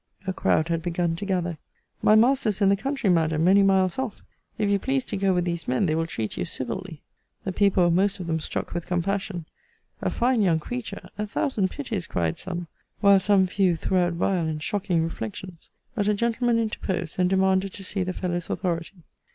A crowd had begun to gather. My master is in the country, Madam, many miles off. If you please to go with these men, they will treat you civilly. The people were most of them struck with compassion. A fine young creature! A thousand pities cried some. While some few threw out vile and shocking reflections! But a gentleman interposed, and demanded to see the fellow's authority.